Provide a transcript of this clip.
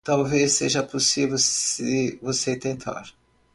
Talvez seja possível, se você tentar